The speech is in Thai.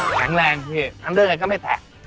แข็งแรงพี่ทำเรื่องกันก็ไม่แพง